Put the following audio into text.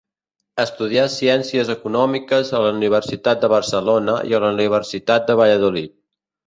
Estudià Ciències Econòmiques a la Universitat de Barcelona i a la Universitat de Valladolid.